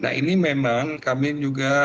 nah ini memang kami juga